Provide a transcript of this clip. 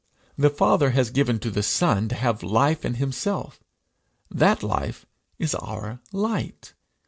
The Father has given to the Son to have life in himself; that life is our light.